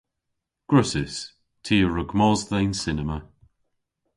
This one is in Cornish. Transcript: Gwrussys. Ty a wrug mos dhe'n cinema.